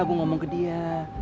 gua ngomong ke dia